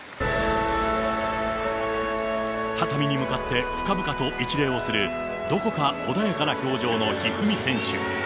畳に向かって深々と一礼をする、どこか穏やかな表情の一二三選手。